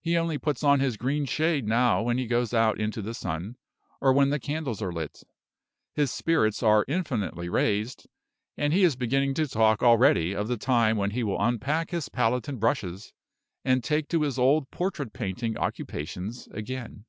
He only puts on his green shade now when he goes out into the sun, or when the candles are lit. His spirits are infinitely raised, and he is beginning to talk already of the time when he will unpack his palette and brushes, and take to his old portrait painting occupations again.